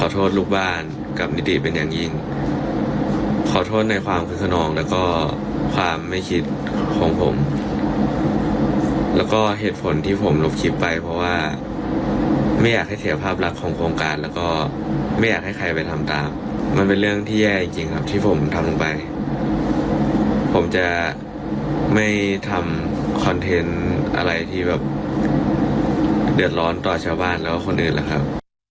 ที่ผมทำลงไปผมจะไม่ทำคอนเทนต์อะไรที่แบบเดือดร้อนต่อชาวบ้านแล้วกับคนอื่นล่ะครับ